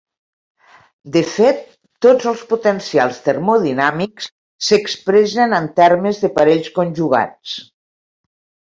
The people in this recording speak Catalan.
De fet, tots els potencials termodinàmics s'expressen en termes de parells conjugats.